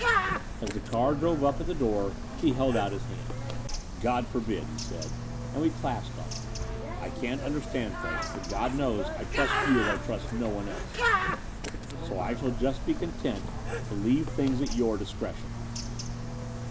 As the car drove up at the door he held out his hand. "God forbid," he said; and we clasped on it "I can't understand things: but God knows I trust you as I trust no one else. So I shall just be content to leave things at your discretion."